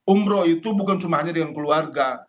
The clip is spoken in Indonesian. umroh itu bukan cuma hanya dengan keluarga